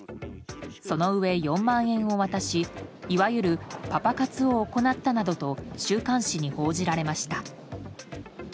そのうえ、４万円を渡しいわゆるパパ活を行ったなどと週刊誌に報じられました。